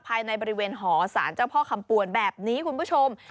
ภายในบริเวณหอสารเจ้าพ่อคำปวนแบบนี้คุณผู้ชม